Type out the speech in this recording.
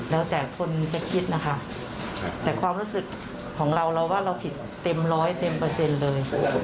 แล้วแต่คนจะคิดนะคะแต่ความรู้สึกของเราเราว่าเราผิดเต็มร้อยเต็มเปอร์เซ็นต์เลย